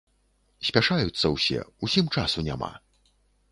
Спяшаюцца ўсе, усім часу няма.